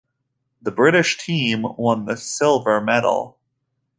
The British team won the silver medal.